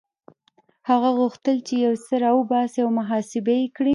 هغه غوښتل چې يو څه را وباسي او محاسبه يې کړي.